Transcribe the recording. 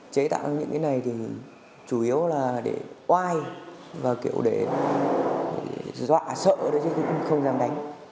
chế tạo những cái này thì chủ yếu là để oai và kiểu để dọa sợ chứ cũng không dám đánh